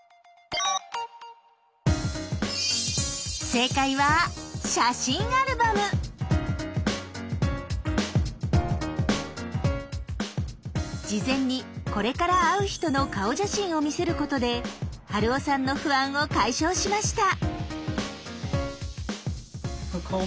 正解は事前にこれから会う人の顔写真を見せることで春雄さんの不安を解消しました。